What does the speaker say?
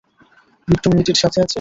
বিট্টু মেয়েটির সাথে আছে?